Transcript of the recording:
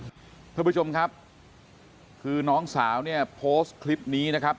คุณผู้ชมครับคือน้องสาวเนี่ยโพสต์คลิปนี้นะครับ